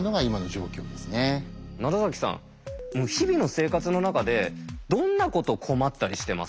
奈良さん日々の生活の中でどんなこと困ったりしてますか？